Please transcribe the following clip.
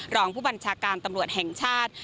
รองผู้บัญชาการตำรวจแห่งชาติ